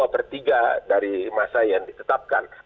dua per tiga dari masa yang ditetapkan